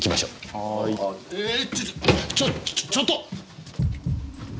はーい。ちょっちょっと！